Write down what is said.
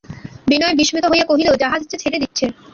বিনয় বিস্মিত হইয়া কহিল, জাহাজ যে ছেড়ে দিচ্ছে।